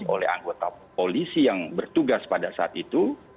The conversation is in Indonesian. oleh anggota polisi yang bertugas pada saat itu